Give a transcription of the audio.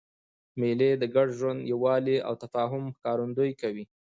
مېلې د ګډ ژوند، یووالي او تفاهم ښکارندویي کوي.